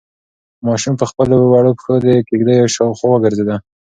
ماشوم په خپلو وړو پښو د کيږدۍ شاوخوا وګرځېد.